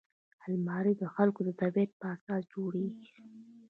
الماري د خلکو د طبعیت په اساس جوړیږي